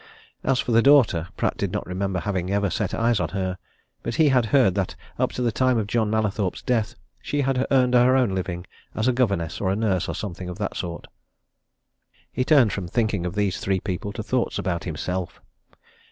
As for the daughter, Pratt did not remember having ever set eyes on her but he had heard that up to the time of John Mallathorpe's death she had earned her own living as a governess, or a nurse, or something of that sort. He turned from thinking of these three people to thoughts about himself.